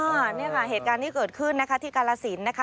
อันนี้ค่ะเหตุการณ์ที่เกิดขึ้นนะคะที่กาลสินนะคะ